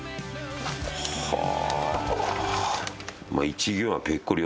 はあ。